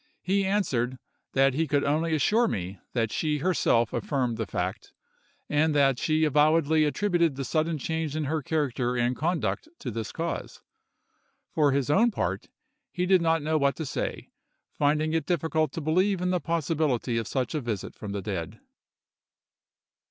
He answered, that he could only assure me that she herself affirmed the fact, and that she avowedly attributed the sudden change in her character and conduct to this cause;—for his own part, he did not know what to say, finding it difficult to believe in the possibility of such a visit from the dead.